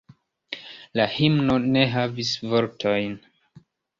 La himno ne havis vortojn.